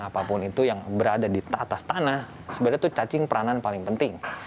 apapun itu yang berada di atas tanah sebenarnya itu cacing peranan paling penting